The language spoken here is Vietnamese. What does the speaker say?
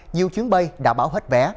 nhiều chuyến bay đã báo hết vé